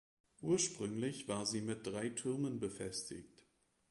Ursprünglich war sie mit drei Türmen befestigt.